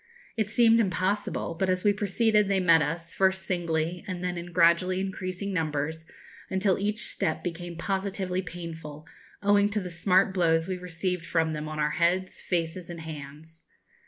It seemed impossible; but as we proceeded they met us, first singly, and then in gradually increasing numbers, until each step became positively painful, owing to the smart blows we received from them on our heads, faces, and hands.